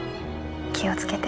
気を付けて。